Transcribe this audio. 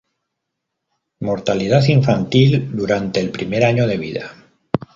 Mortalidad infantil: durante el primer año de vida.